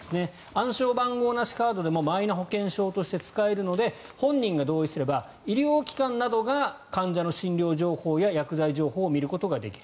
暗証番号なしカードでもマイナ保険証として使えるので本人が同意すれば医療機関などが患者の診療情報や薬剤情報を見ることができる。